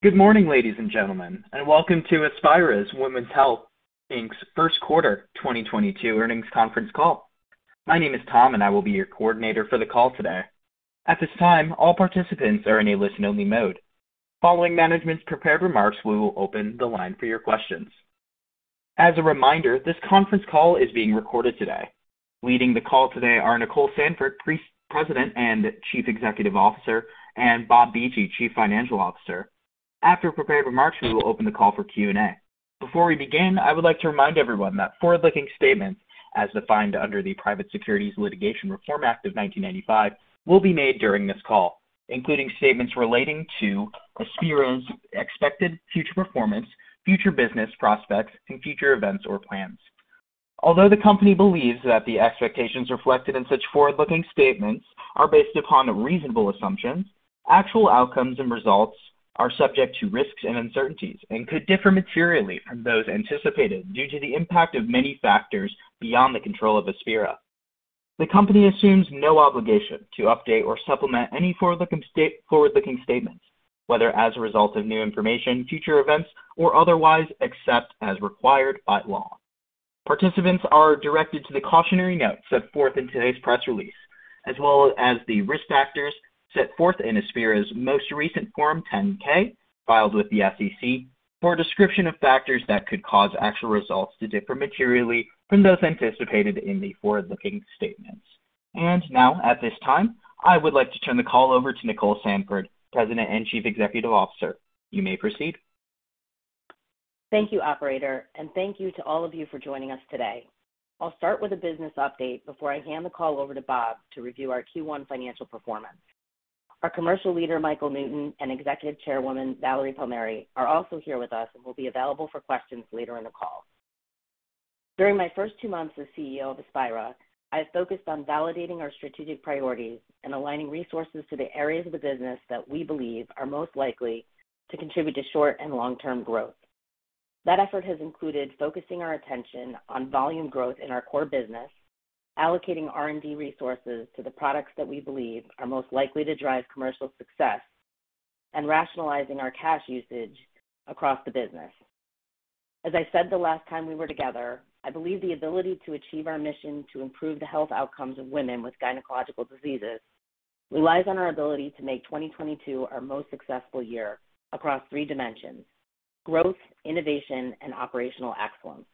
Good morning, ladies and gentlemen, and welcome to Aspira Women's Health Inc.'s first quarter 2022 earnings conference call. My name is Tom, and I will be your coordinator for the call today. At this time, all participants are in a listen-only mode. Following management's prepared remarks, we will open the line for your questions. As a reminder, this conference call is being recorded today. Leading the call today are Nicole Sandford, President and Chief Executive Officer, and Bob Beechey, Chief Financial Officer. After prepared remarks, we will open the call for Q&A. Before we begin, I would like to remind everyone that forward-looking statements, as defined under the Private Securities Litigation Reform Act of 1995, will be made during this call, including statements relating to Aspira's expected future performance, future business prospects, and future events or plans. Although the company believes that the expectations reflected in such forward-looking statements are based upon reasonable assumptions, actual outcomes and results are subject to risks and uncertainties and could differ materially from those anticipated due to the impact of many factors beyond the control of Aspira. The company assumes no obligation to update or supplement any forward-looking statements, whether as a result of new information, future events or otherwise, except as required by law. Participants are directed to the cautionary note set forth in today's press release, as well as the risk factors set forth in Aspira's most recent Form 10-K filed with the SEC for a description of factors that could cause actual results to differ materially from those anticipated in the forward-looking statements. Now, at this time, I would like to turn the call over to Nicole Sandford, President and Chief Executive Officer. You may proceed. Thank you, operator, and thank you to all of you for joining us today. I'll start with a business update before I hand the call over to Bob to review our Q1 financial performance. Our Commercial Leader, Michael Newton, and Executive Chairwoman, Valerie Palmieri, are also here with us and will be available for questions later in the call. During my first two months as CEO of Aspira, I have focused on validating our strategic priorities and aligning resources to the areas of the business that we believe are most likely to contribute to short and long-term growth. That effort has included focusing our attention on volume growth in our core business, allocating R&D resources to the products that we believe are most likely to drive commercial success, and rationalizing our cash usage across the business. As I said the last time we were together, I believe the ability to achieve our mission to improve the health outcomes of women with gynecological diseases relies on our ability to make 2022 our most successful year across three dimensions, growth, innovation, and operational excellence.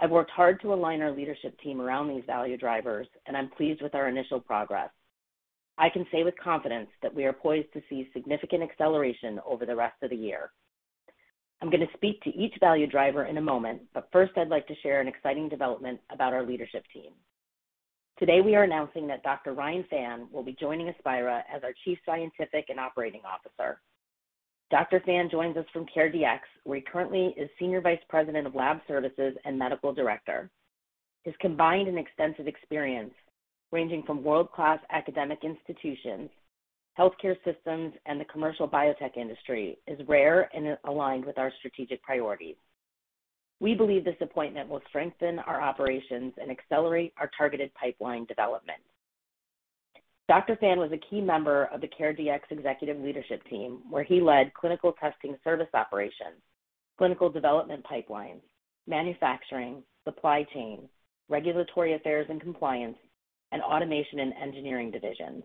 I've worked hard to align our leadership team around these value drivers, and I'm pleased with our initial progress. I can say with confidence that we are poised to see significant acceleration over the rest of the year. I'm going to speak to each value driver in a moment, but first I'd like to share an exciting development about our leadership team. Today we are announcing that Dr. Ryan Phan will be joining Aspira as our Chief Scientific and Operating Officer. Dr. Phan joins us from CareDx, where he currently is Senior Vice President of Lab Services and Medical Director. His combined and extensive experience, ranging from world-class academic institutions, healthcare systems, and the commercial biotech industry, is rare and aligned with our strategic priorities. We believe this appointment will strengthen our operations and accelerate our targeted pipeline development. Dr. Phan was a key member of the CareDx executive leadership team, where he led clinical testing service operations, clinical development pipelines, manufacturing, supply chain, regulatory affairs and compliance, and automation and engineering divisions.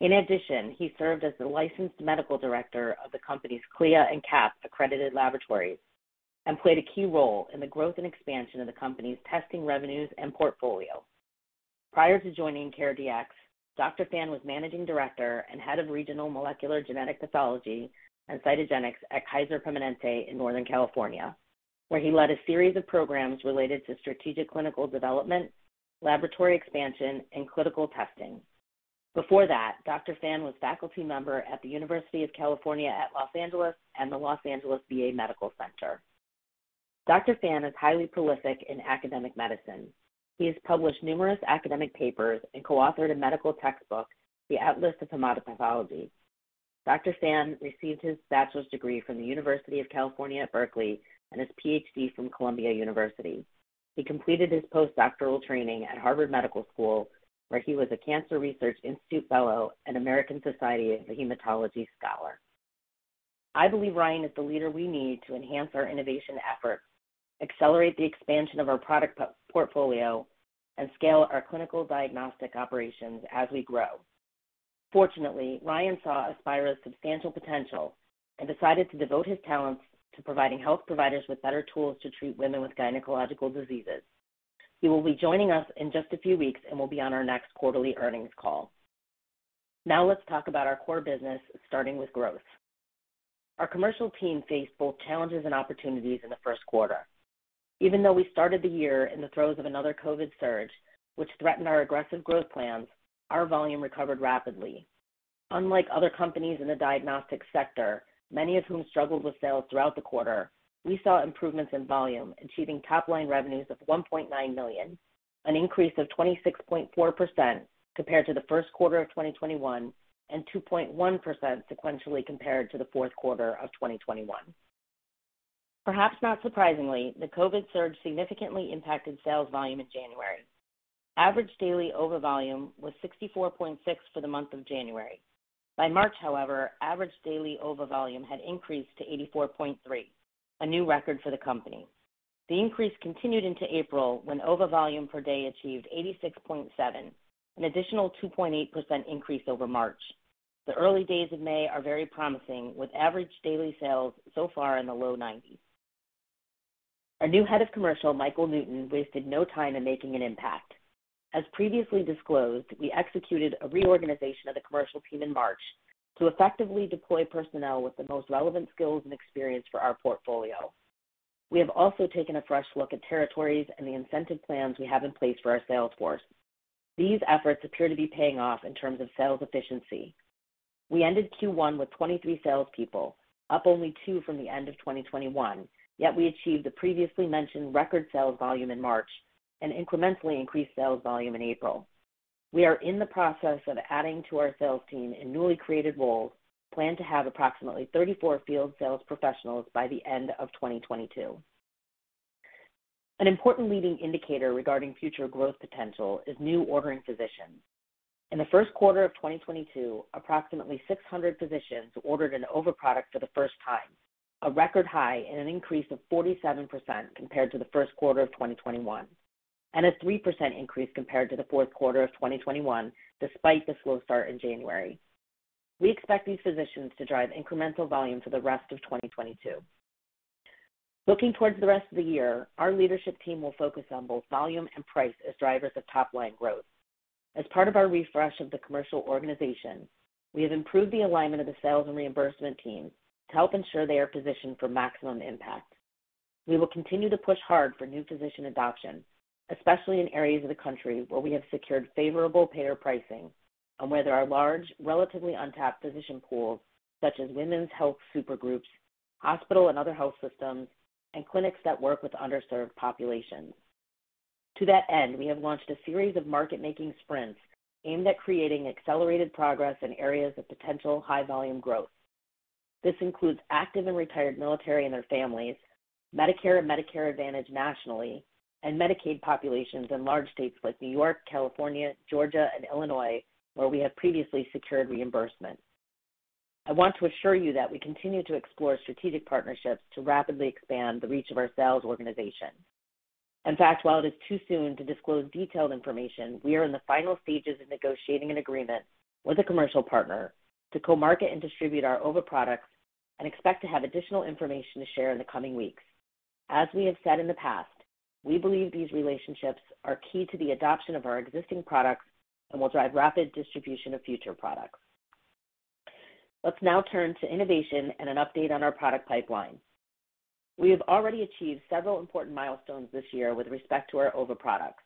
In addition, he served as the licensed medical director of the company's CLIA and CAP-accredited laboratories and played a key role in the growth and expansion of the company's testing revenues and portfolio. Prior to joining CareDx, Dr. Phan was Managing Director and Head of Regional Molecular Genetic Pathology and Cytogenetics at Kaiser Permanente in Northern California, where he led a series of programs related to strategic clinical development, laboratory expansion, and clinical testing. Before that, Dr. Phan was faculty member at the University of California at Los Angeles and the Los Angeles VA Medical Center. Dr. Phan is highly prolific in academic medicine. He has published numerous academic papers and co-authored a medical textbook, Atlas of Hematopathology. Dr. Phan received his bachelor's degree from the University of California at Berkeley and his PhD from Columbia University. He completed his postdoctoral training at Harvard Medical School, where he was a Cancer Research Institute Fellow and American Society of Hematology Scholar. I believe Ryan is the leader we need to enhance our innovation efforts, accelerate the expansion of our product portfolio, and scale our clinical diagnostic operations as we grow. Fortunately, Ryan saw Aspira's substantial potential and decided to devote his talents to providing health providers with better tools to treat women with gynecological diseases. He will be joining us in just a few weeks and will be on our next quarterly earnings call. Now let's talk about our core business, starting with growth. Our commercial team faced both challenges and opportunities in the first quarter. Even though we started the year in the throes of another COVID surge, which threatened our aggressive growth plans, our volume recovered rapidly. Unlike other companies in the diagnostic sector, many of whom struggled with sales throughout the quarter, we saw improvements in volume, achieving top-line revenues of $1.9 million, an increase of 26.4% compared to the first quarter of 2021 and 2.1% sequentially compared to the fourth quarter of 2021. Perhaps not surprisingly, the COVID surge significantly impacted sales volume in January. Average daily OVA volume was 64.6 for the month of January. By March, however, average daily OVA volume had increased to 84.3, a new record for the company. The increase continued into April when OVA volume per day achieved 86.7, an additional 2.8% increase over March. The early days of May are very promising, with average daily sales so far in the low 90s. Our new Head of Commercial, Michael Newton, wasted no time in making an impact. As previously disclosed, we executed a reorganization of the commercial team in March to effectively deploy personnel with the most relevant skills and experience for our portfolio. We have also taken a fresh look at territories and the incentive plans we have in place for our sales force. These efforts appear to be paying off in terms of sales efficiency. We ended Q1 with 23 salespeople, up only two from the end of 2021, yet we achieved the previously mentioned record sales volume in March and incrementally increased sales volume in April. We are in the process of adding to our sales team in newly created roles and plan to have approximately 34 field sales professionals by the end of 2022. An important leading indicator regarding future growth potential is new ordering physicians. In the first quarter of 2022, approximately 600 physicians ordered an OVA product for the first time, a record high and an increase of 47% compared to the first quarter of 2021, and a 3% increase compared to the fourth quarter of 2021 despite the slow start in January. We expect these physicians to drive incremental volume for the rest of 2022. Looking towards the rest of the year, our leadership team will focus on both volume and price as drivers of top-line growth. As part of our refresh of the commercial organization, we have improved the alignment of the sales and reimbursement teams to help ensure they are positioned for maximum impact. We will continue to push hard for new physician adoption, especially in areas of the country where we have secured favorable payer pricing and where there are large, relatively untapped physician pools, such as women's health super groups, hospital and other health systems, and clinics that work with underserved populations. To that end, we have launched a series of market-making sprints aimed at creating accelerated progress in areas of potential high-volume growth. This includes active and retired military and their families, Medicare and Medicare Advantage nationally, and Medicaid populations in large states like New York, California, Georgia, and Illinois, where we have previously secured reimbursement. I want to assure you that we continue to explore strategic partnerships to rapidly expand the reach of our sales organization. In fact, while it is too soon to disclose detailed information, we are in the final stages of negotiating an agreement with a commercial partner to co-market and distribute our OVA products and expect to have additional information to share in the coming weeks. As we have said in the past, we believe these relationships are key to the adoption of our existing products and will drive rapid distribution of future products. Let's now turn to innovation and an update on our product pipeline. We have already achieved several important milestones this year with respect to our OVA products.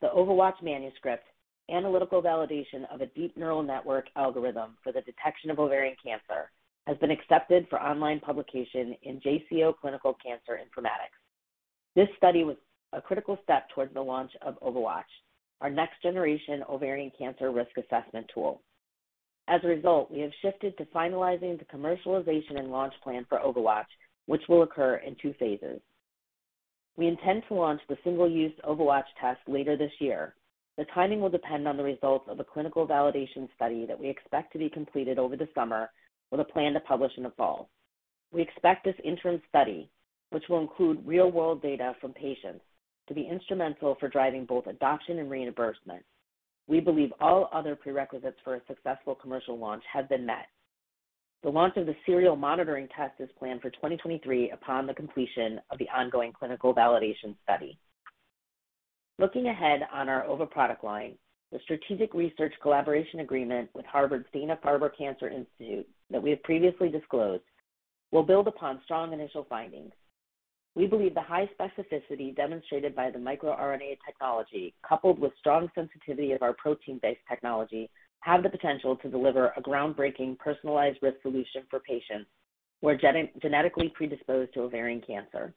The OvaWatch manuscript, Analytical Validation of a Deep Neural Network Algorithm for the Detection of Ovarian Cancer, has been accepted for online publication in JCO Clinical Cancer Informatics. This study was a critical step towards the launch of OvaWatch, our next-generation ovarian cancer risk assessment tool. As a result, we have shifted to finalizing the commercialization and launch plan for OvaWatch, which will occur in two phases. We intend to launch the single-use OvaWatch test later this year. The timing will depend on the results of a clinical validation study that we expect to be completed over the summer with a plan to publish in the fall. We expect this interim study, which will include real-world data from patients, to be instrumental for driving both adoption and reimbursement. We believe all other prerequisites for a successful commercial launch have been met. The launch of the serial monitoring test is planned for 2023 upon the completion of the ongoing clinical validation study. Looking ahead on our OVA product line, the strategic research collaboration agreement with Harvard's Dana-Farber Cancer Institute that we have previously disclosed will build upon strong initial findings. We believe the high specificity demonstrated by the microRNA technology, coupled with strong sensitivity of our protein-based technology, have the potential to deliver a groundbreaking personalized risk solution for patients who are genetically predisposed to ovarian cancer.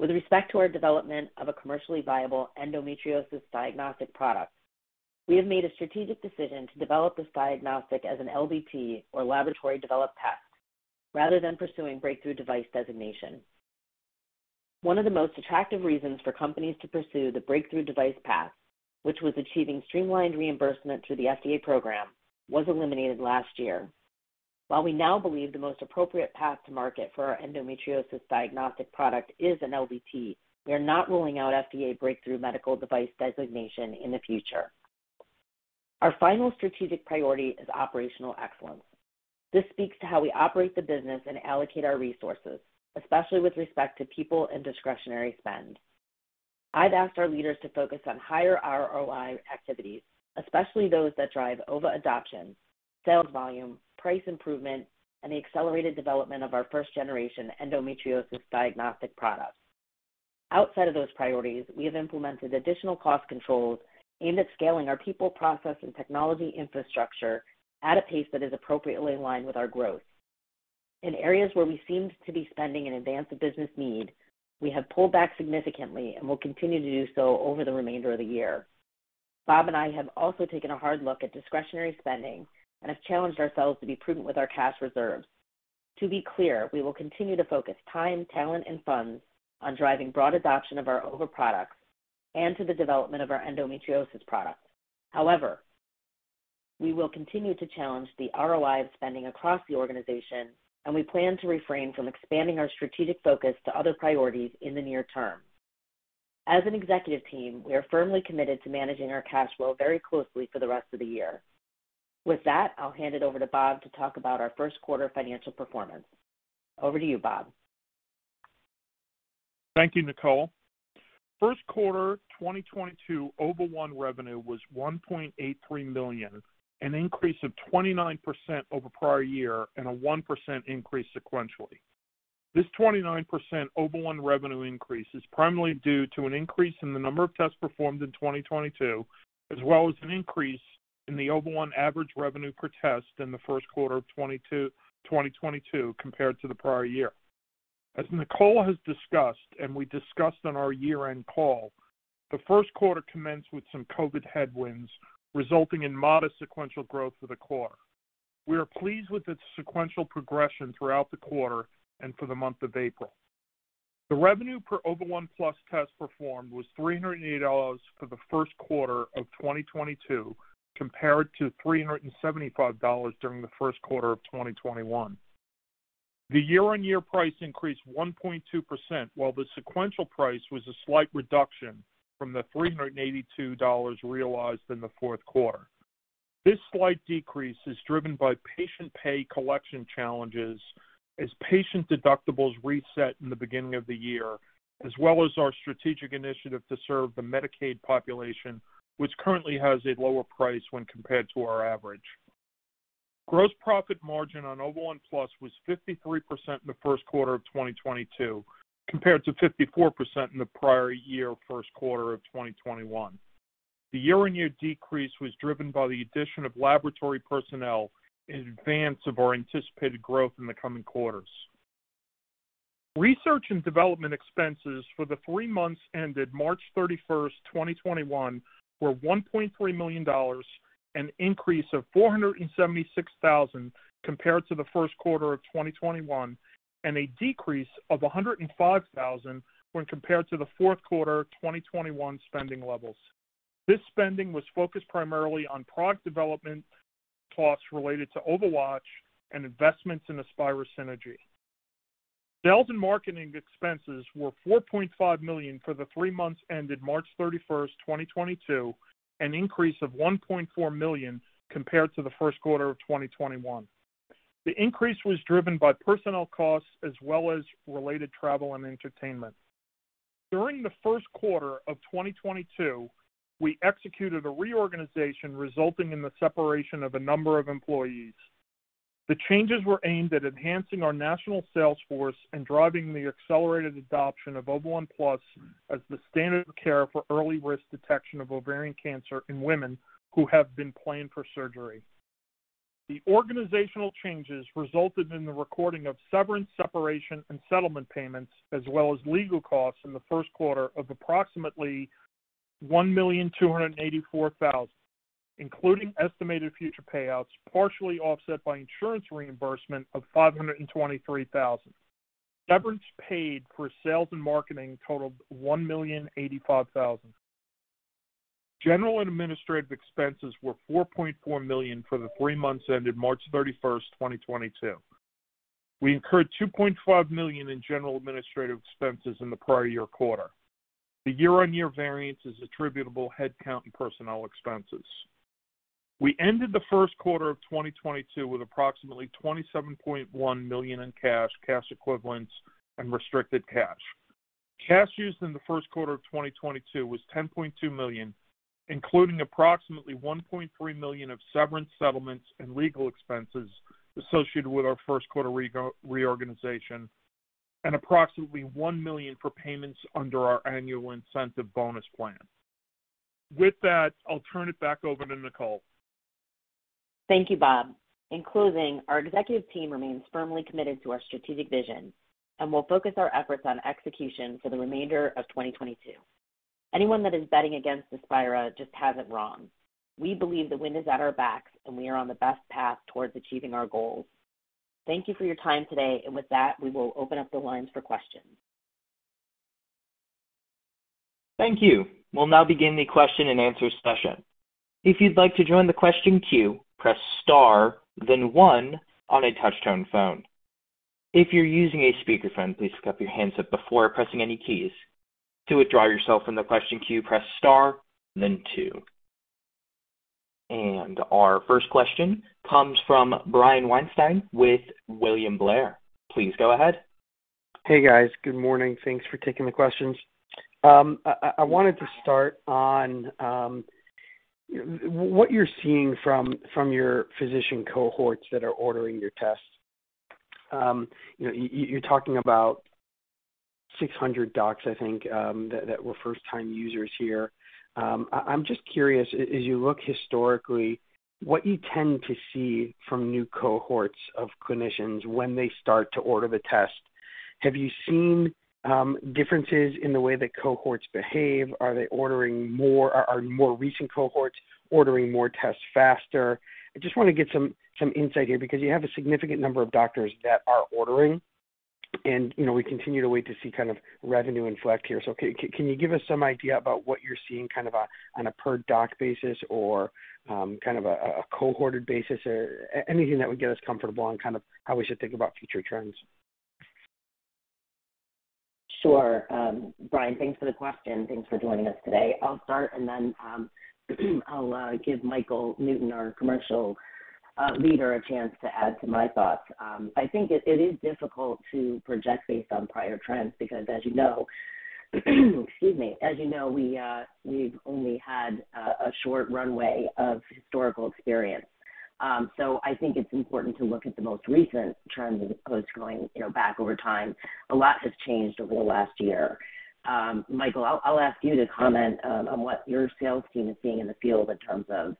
With respect to our development of a commercially viable endometriosis diagnostic product, we have made a strategic decision to develop this diagnostic as an LDT, or laboratory-developed test, rather than pursuing breakthrough device designation. One of the most attractive reasons for companies to pursue the breakthrough device path, which was achieving streamlined reimbursement through the FDA program, was eliminated last year. While we now believe the most appropriate path to market for our endometriosis diagnostic product is an LDT, we are not ruling out FDA breakthrough medical device designation in the future. Our final strategic priority is operational excellence. This speaks to how we operate the business and allocate our resources, especially with respect to people and discretionary spend. I've asked our leaders to focus on higher ROI activities, especially those that drive OVA adoption, sales volume, price improvement, and the accelerated development of our first-generation endometriosis diagnostic product. Outside of those priorities, we have implemented additional cost controls aimed at scaling our people, process, and technology infrastructure at a pace that is appropriately aligned with our growth. In areas where we seemed to be spending in advance of business need, we have pulled back significantly and will continue to do so over the remainder of the year. Bob and I have also taken a hard look at discretionary spending and have challenged ourselves to be prudent with our cash reserves. To be clear, we will continue to focus time, talent and funds on driving broad adoption of our OVA products and to the development of our endometriosis products. However, we will continue to challenge the ROI of spending across the organization, and we plan to refrain from expanding our strategic focus to other priorities in the near term. As an executive team, we are firmly committed to managing our cash flow very closely for the rest of the year. With that, I'll hand it over to Bob to talk about our first quarter financial performance. Over to you, Bob. Thank you, Nicole. First quarter, 2022 OVA1 revenue was $1.83 million, an increase of 29% over prior year and a 1% increase sequentially. This 29% OVA1 revenue increase is primarily due to an increase in the number of tests performed in 2022, as well as an increase in the OVA1 average revenue per test in the first quarter of 2022 compared to the prior year. As Nicole has discussed and we discussed on our year-end call, the first quarter commenced with some COVID headwinds, resulting in modest sequential growth for the quarter. We are pleased with its sequential progression throughout the quarter and for the month of April. The revenue per OVA1+ test performed was $308 for the first quarter of 2022, compared to $375 during the first quarter of 2021. The year-on-year price increased 1.2%, while the sequential price was a slight reduction from the $382 realized in the fourth quarter. This slight decrease is driven by patient pay collection challenges as patient deductibles reset in the beginning of the year, as well as our strategic initiative to serve the Medicaid population, which currently has a lower price when compared to our average. Gross profit margin on OVA1+ was 53% in the first quarter of 2022, compared to 54% in the prior year first quarter of 2021. The year-on-year decrease was driven by the addition of laboratory personnel in advance of our anticipated growth in the coming quarters. Research and development expenses for the three months ended March 31st, 2022 were $1.3 million, an increase of $476,000 compared to the first quarter of 2021, and a decrease of $105,000 when compared to the fourth quarter of 2021 spending levels. This spending was focused primarily on product development costs related to OvaWatch and investments in Aspira Synergy. Sales and marketing expenses were $4.5 million for the three months ended March 31st, 2022, an increase of $1.4 million compared to the first quarter of 2021. The increase was driven by personnel costs as well as related travel and entertainment. During the first quarter of 2022, we executed a reorganization, resulting in the separation of a number of employees. The changes were aimed at enhancing our national sales force and driving the accelerated adoption of OVA1+ as the standard of care for early risk detection of ovarian cancer in women who have been planned for surgery. The organizational changes resulted in the recording of severance, separation, and settlement payments, as well as legal costs in the first quarter of approximately $1.284 million, including estimated future payouts, partially offset by insurance reimbursement of $523,000. Severance paid for sales and marketing totaled $1.085 million. General and administrative expenses were $4.4 million for the three months ended March 31, 2022. We incurred $2.5 million in general administrative expenses in the prior year quarter. The year-on-year variance is attributable to headcount and personnel expenses. We ended the first quarter of 2022 with approximately $27.1 million in cash equivalents and restricted cash. Cash used in the first quarter of 2022 was $10.2 million, including approximately $1.3 million of severance settlements and legal expenses associated with our first quarter reorganization and approximately $1 million for payments under our annual incentive bonus plan. With that, I'll turn it back over to Nicole. Thank you, Bob. In closing, our executive team remains firmly committed to our strategic vision and will focus our efforts on execution for the remainder of 2022. Anyone that is betting against Aspira just has it wrong. We believe the wind is at our backs, and we are on the best path towards achieving our goals. Thank you for your time today. With that, we will open up the lines for questions. Thank you. We'll now begin the question and answer session. If you'd like to join the question queue, press star then one on a touch-tone phone. If you're using a speakerphone, please pick up your handset before pressing any keys. To withdraw yourself from the question queue, press star then two. Our first question comes from Brian Weinstein with William Blair. Please go ahead. Hey, guys. Good morning. Thanks for taking the questions. I wanted to start on what you're seeing from your physician cohorts that are ordering your tests. You know, you're talking about 600 docs, I think, that were first-time users here. I'm just curious, as you look historically, what you tend to see from new cohorts of clinicians when they start to order the test. Have you seen differences in the way that cohorts behave? Are more recent cohorts ordering more tests faster? I just wanna get some insight here because you have a significant number of doctors that are ordering, and you know, we continue to wait to see kind of revenue inflect here. Can you give us some idea about what you're seeing kind of on a per doc basis or, kind of a cohorted basis or anything that would get us comfortable on kind of how we should think about future trends? Brian, thanks for the question. Thanks for joining us today. I'll start, and then I'll give Michael Newton, our commercial leader, a chance to add to my thoughts. I think it is difficult to project based on prior trends because as you know, we've only had a short runway of historical experience. I think it's important to look at the most recent trends as opposed to going, you know, back over time. A lot has changed over the last year. Michael, I'll ask you to comment on what your sales team is seeing in the field in terms of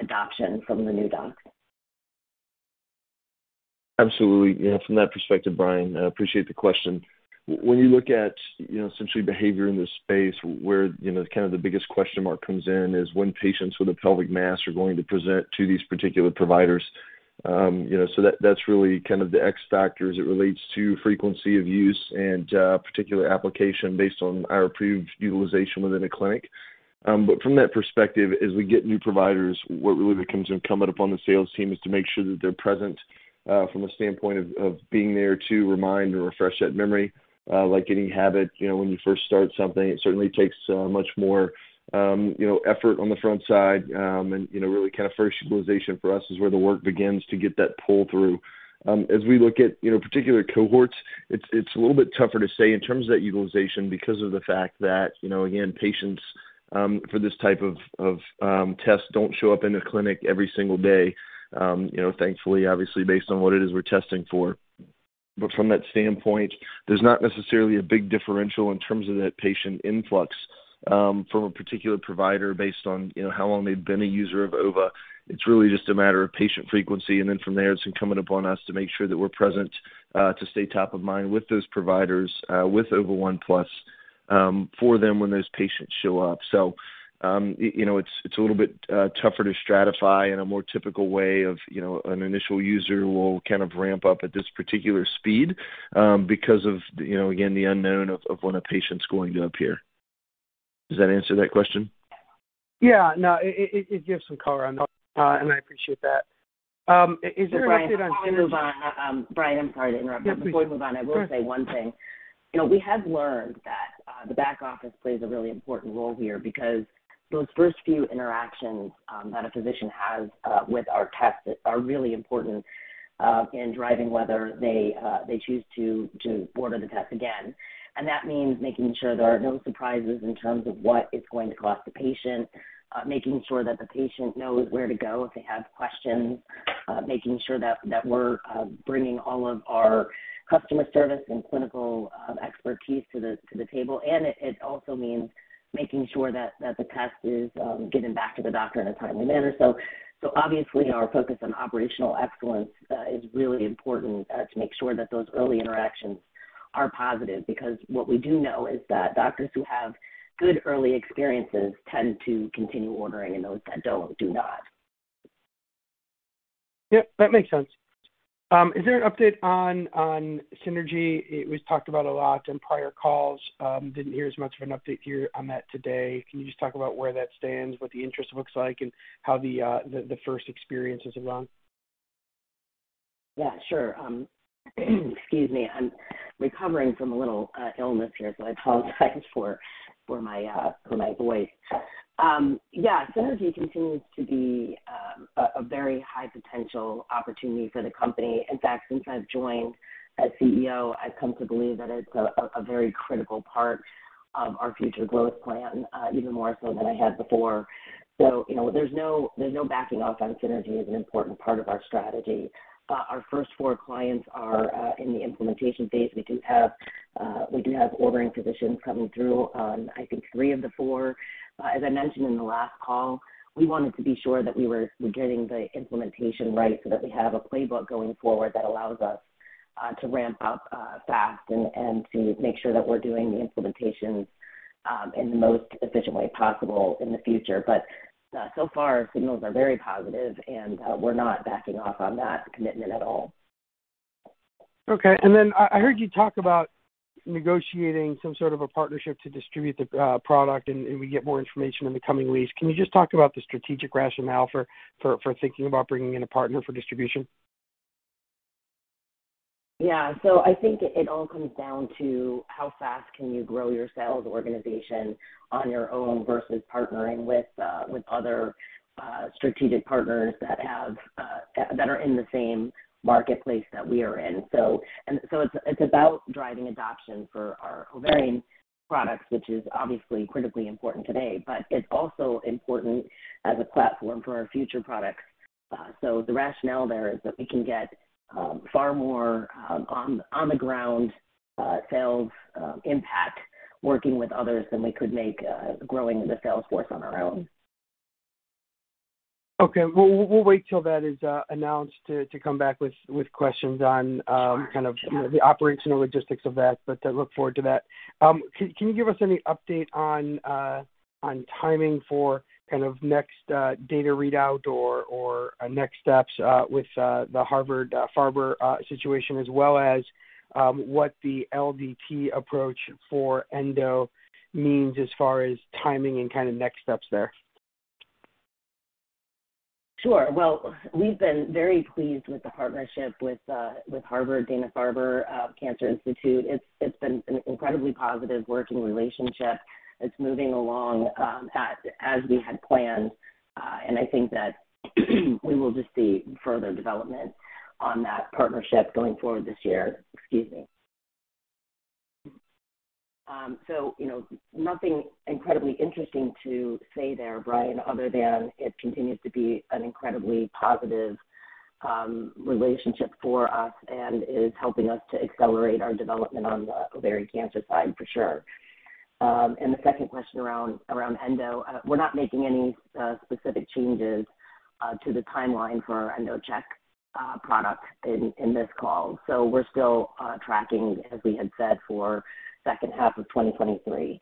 adoption from the new docs. Absolutely. You know, from that perspective, Brian, I appreciate the question. When you look at, you know, essentially behavior in this space, where, you know, kind of the biggest question mark comes in is when patients with a pelvic mass are going to present to these particular providers. You know, so that's really kind of the X factor as it relates to frequency of use and particular application based on our approved utilization within a clinic. But from that perspective, as we get new providers, what really becomes incumbent upon the sales team is to make sure that they're present from a standpoint of being there to remind or refresh that memory. Like any habit, you know, when you first start something, it certainly takes much more, you know, effort on the front side, and, you know, really kind of first utilization for us is where the work begins to get that pull-through. As we look at, you know, particular cohorts, it's a little bit tougher to say in terms of that utilization because of the fact that, you know, again, patients for this type of test don't show up in a clinic every single day, you know, thankfully, obviously, based on what it is we're testing for. From that standpoint, there's not necessarily a big differential in terms of that patient influx from a particular provider based on, you know, how long they've been a user of OVA. It's really just a matter of patient frequency, and then from there, it's incumbent upon us to make sure that we're present, to stay top of mind with those providers, with OVA1+, for them when those patients show up. You know, it's a little bit tougher to stratify in a more typical way of, you know, an initial user will kind of ramp up at this particular speed, because of, you know, again, the unknown of, when a patient's going to appear. Does that answer that question? Yeah. No, it gives some color on top, and I appreciate that. Is there an update on Synergy- Brian, I'm sorry to interrupt you. Yeah, please. Before we move on, I will say one thing. You know, we have learned that the back office plays a really important role here because those first few interactions that a physician has with our tests are really important in driving whether they choose to order the test again. That means making sure there are no surprises in terms of what it's going to cost the patient, making sure that the patient knows where to go if they have questions, making sure that we're bringing all of our customer service and clinical expertise to the table. It also means making sure that the test is given back to the doctor in a timely manner. Obviously our focus on operational excellence is really important to make sure that those early interactions are positive because what we do know is that doctors who have good early experiences tend to continue ordering and those that don't do not. Yep, that makes sense. Is there an update on Synergy? It was talked about a lot in prior calls. Didn't hear as much of an update here on that today. Can you just talk about where that stands, what the interest looks like, and how the first experiences have gone? Yeah, sure. Excuse me. I'm recovering from a little illness here, so I apologize for my voice. Yeah, Synergy continues to be a very high potential opportunity for the company. In fact, since I've joined as CEO, I've come to believe that it's a very critical part of our future growth plan, even more so than I had before. You know, there's no backing off on Synergy as an important part of our strategy. Our first four clients are in the implementation phase. We do have ordering physicians coming through on, I think, three of the four. As I mentioned in the last call, we wanted to be sure that we were getting the implementation right so that we have a playbook going forward that allows us to ramp up fast and to make sure that we're doing the implementation in the most efficient way possible in the future. So far, signals are very positive, and we're not backing off on that commitment at all. Okay. I heard you talk about negotiating some sort of a partnership to distribute the product, and we get more information in the coming weeks. Can you just talk about the strategic rationale for thinking about bringing in a partner for distribution? Yeah. I think it all comes down to how fast can you grow your sales organization on your own versus partnering with other strategic partners that have that are in the same marketplace that we are in. It's about driving adoption for our ovarian products, which is obviously critically important today, but it's also important as a platform for our future products. The rationale there is that we can get far more on the ground sales impact working with others than we could make growing the sales force on our own. Okay. We'll wait till that is announced to come back with questions on- Sure. -kind of the operational logistics of that, but I look forward to that. Can you give us any update on timing for kind of next data readout or next steps with the Harvard Dana-Farber situation as well as what the LDT approach for endo means as far as timing and kind of next steps there? Sure. Well, we've been very pleased with the partnership with Harvard Dana-Farber Cancer Institute. It's been an incredibly positive working relationship. It's moving along as we had planned, and I think that we will just see further development on that partnership going forward this year. Excuse me. You know, nothing incredibly interesting to say there, Brian, other than it continues to be an incredibly positive relationship for us and is helping us to accelerate our development on the ovarian cancer side for sure. The second question around endo, we're not making any specific changes to the timeline for our EndoCheck product in this call. We're still tracking, as we had said, for second half of 2023.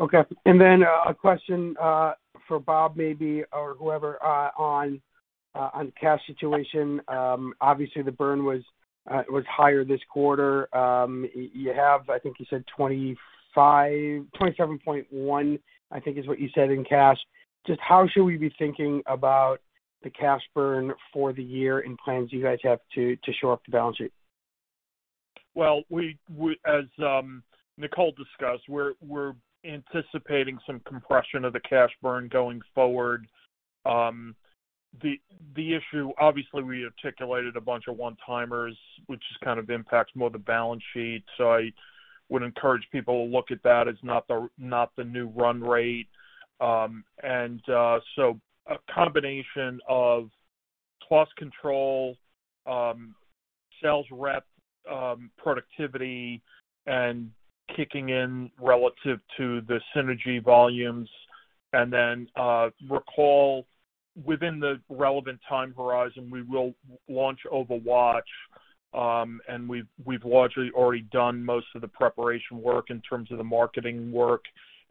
Okay. Then a question for Bob maybe or whoever on cash situation. Obviously the burn was higher this quarter. You have, I think you said 27.1, I think is what you said in cash. Just how should we be thinking about the cash burn for the year and plans you guys have to shore up the balance sheet? Well, as Nicole discussed, we're anticipating some compression of the cash burn going forward. The issue, obviously we articulated a bunch of one-timers, which kind of impacts more the balance sheet. I would encourage people to look at that as not the new run rate. A combination of cost control, sales rep productivity and kicking in relative to the Synergy volumes. Recall within the relevant time horizon, we will launch OvaWatch. We've largely already done most of the preparation work in terms of the marketing work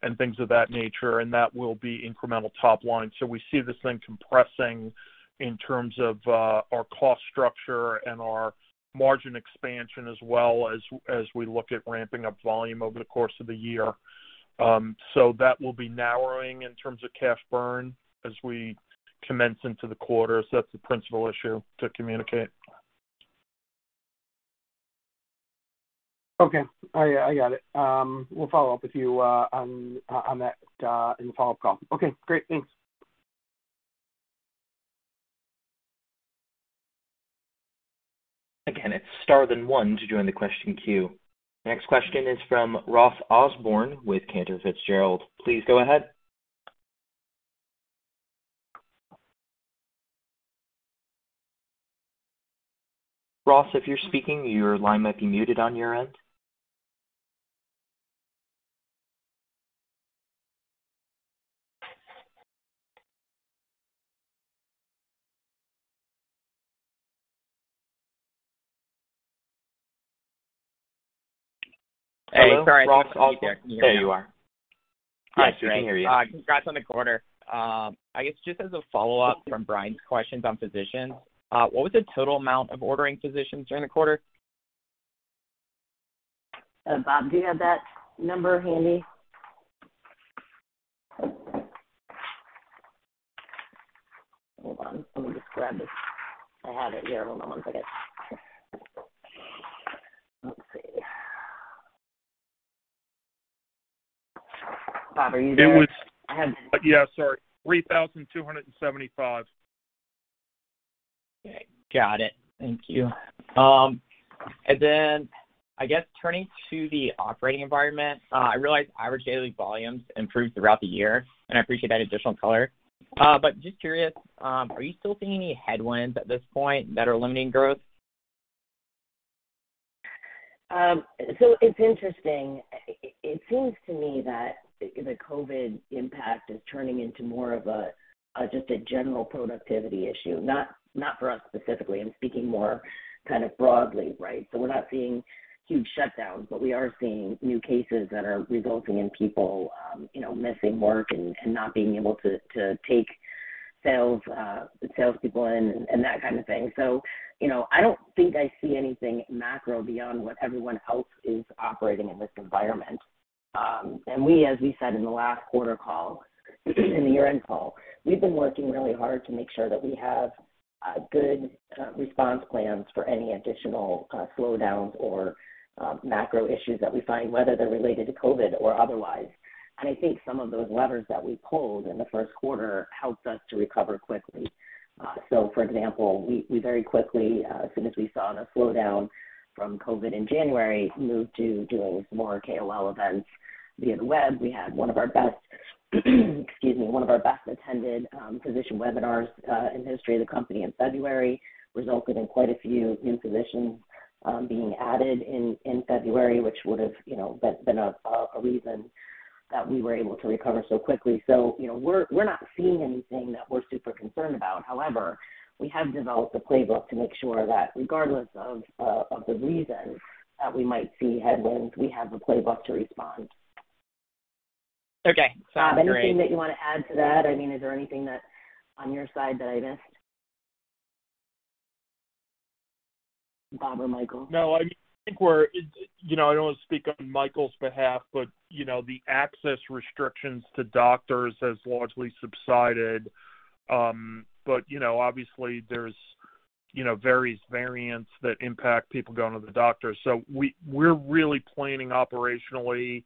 and things of that nature, and that will be incremental top line. We see this thing compressing in terms of our cost structure and our margin expansion as well as as we look at ramping up volume over the course of the year. That will be narrowing in terms of cash burn as we commence into the quarters. That's the principal issue to communicate. Okay. I got it. We'll follow up with you on that in the follow-up call. Okay, great. Thanks. Again, it's star then one to join the question queue. Next question is from Ross Osborn with Cantor Fitzgerald. Please go ahead. Ross, if you're speaking, your line might be muted on your end. Hey, sorry. Ross Osborn. There you are. Yes, we can hear you. Congrats on the quarter. I guess just as a follow-up from Brian's questions on physicians, what was the total amount of ordering physicians during the quarter? Bob, do you have that number handy? Hold on, let me just grab this. I have it here. Hold on one second. Let's see. Bob, are you there? It was- I haven't. Yeah, sorry. 3,275. Okay, got it. Thank you. I guess turning to the operating environment, I realize average daily volumes improved throughout the year, and I appreciate that additional color. Just curious, are you still seeing any headwinds at this point that are limiting growth? It's interesting. It seems to me that the COVID impact is turning into more of a just a general productivity issue. Not for us specifically. I'm speaking more kind of broadly, right? We're not seeing huge shutdowns, but we are seeing new cases that are resulting in people, you know, missing work and not being able to take salespeople in and that kind of thing. You know, I don't think I see anything macro beyond what everyone else is operating in this environment. We, as we said in the last quarter call, in the year-end call, we've been working really hard to make sure that we have good response plans for any additional slowdowns or macro issues that we find, whether they're related to COVID or otherwise. I think some of those levers that we pulled in the first quarter helped us to recover quickly. For example, we very quickly, as soon as we saw the slowdown from COVID in January, moved to doing more KOL events via the web. We had one of our best-attended physician webinars in the history of the company in February. Resulted in quite a few new physicians being added in February, which would have, you know, been a reason that we were able to recover so quickly. You know, we're not seeing anything that we're super concerned about. However, we have developed a playbook to make sure that regardless of the reason that we might see headwinds, we have a playbook to respond. Okay. Sounds great. Bob, anything that you wanna add to that? I mean, is there anything that on your side that I missed? Bob or Michael. No, I think we're you know, I don't want to speak on Michael's behalf, but you know, the access restrictions to doctors has largely subsided. You know, obviously there's you know, various variants that impact people going to the doctor. We're really planning operationally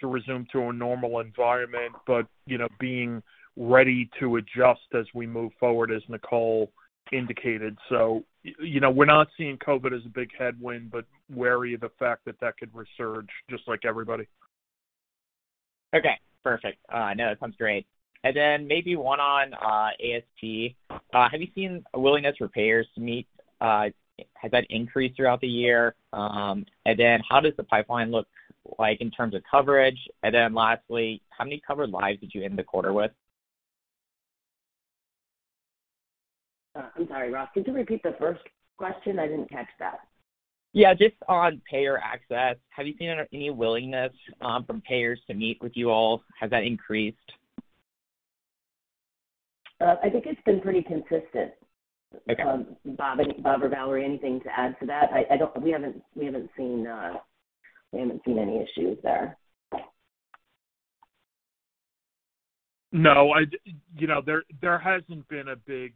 to resume to a normal environment, but you know, being ready to adjust as we move forward, as Nicole indicated. You know, we're not seeing COVID as a big headwind, but wary of the fact that that could resurge just like everybody. Okay, perfect. No, it sounds great. Maybe one on ASP. Have you seen a willingness for payers to meet? Has that increased throughout the year? How does the pipeline look like in terms of coverage? Lastly, how many covered lives did you end the quarter with? I'm sorry, Ross, could you repeat the first question? I didn't catch that. Yeah, just on payer access. Have you seen any willingness, from payers to meet with you all? Has that increased? I think it's been pretty consistent. Okay. Bob or Valerie, anything to add to that? We haven't seen any issues there. No. You know, there hasn't been a big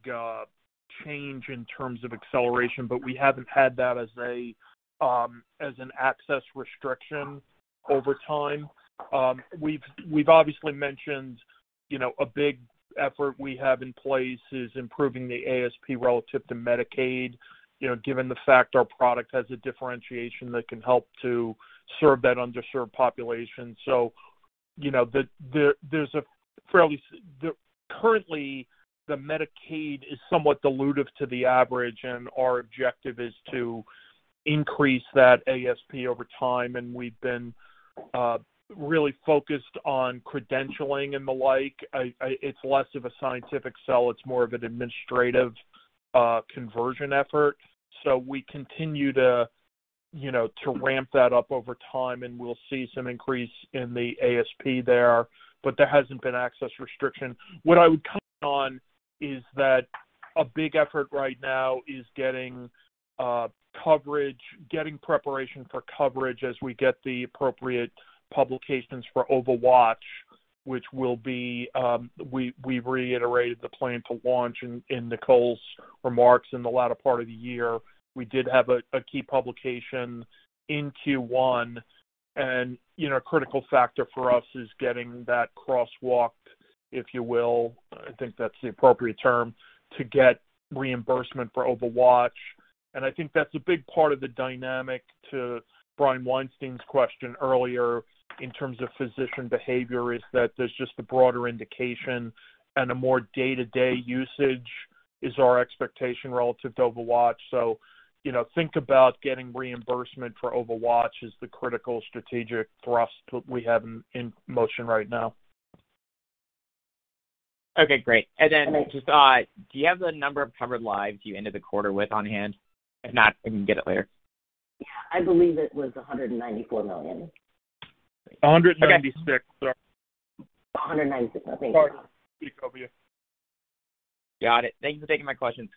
change in terms of acceleration, but we haven't had that as an access restriction over time. We've obviously mentioned, you know, a big effort we have in place is improving the ASP relative to Medicaid, you know, given the fact our product has a differentiation that can help to serve that underserved population. So, you know, currently, the Medicaid is somewhat dilutive to the average, and our objective is to increase that ASP over time. We've been really focused on credentialing and the like. It's less of a scientific sell, it's more of an administrative conversion effort. We continue to, you know, to ramp that up over time, and we'll see some increase in the ASP there, but there hasn't been access restriction. What I would comment on is that a big effort right now is getting coverage, getting preparation for coverage as we get the appropriate publications for OvaWatch, which will be, we reiterated the plan to launch in Nicole's remarks in the latter part of the year. We did have a key publication in Q1 and, you know, a critical factor for us is getting that crosswalk, if you will, I think that's the appropriate term, to get reimbursement for OvaWatch. I think that's a big part of the dynamic to Brian Weinstein's question earlier in terms of physician behavior, is that there's just a broader indication and a more day-to-day usage is our expectation relative to OvaWatch. You know, think about getting reimbursement for OvaWatch is the critical strategic thrust that we have in motion right now. Okay, great. Great. Just, do you have the number of covered lives you ended the quarter with on hand? If not, we can get it later. Yeah. I believe it was $194 million. $196 million. Okay. $196 million. I think Sorry to keep you up. Got it. Thank you for taking my questions.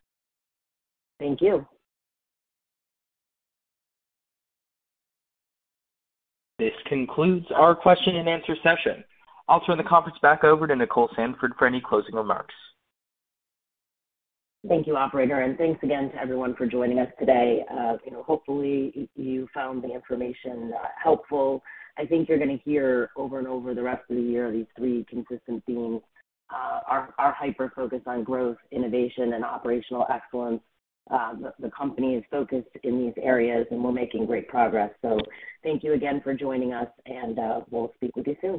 Thank you. This concludes our question and answer session. I'll turn the conference back over to Nicole Sandford for any closing remarks. Thank you, Operator, and thanks again to everyone for joining us today. You know, hopefully you found the information helpful. I think you're gonna hear over and over the rest of the year these three consistent themes, our hyper-focus on growth, innovation and operational excellence. The company is focused in these areas, and we're making great progress. Thank you again for joining us and we'll speak with you soon.